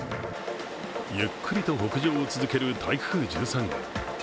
ゆっくりと北上を続ける台風１３号。